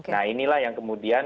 nah inilah yang kemudian